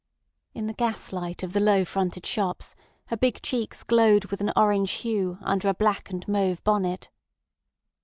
In the gas light of the low fronted shops her big cheeks glowed with an orange hue under a black and mauve bonnet.